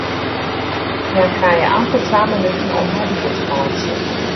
Hja krije amper twa minuten om har wier te meitsjen.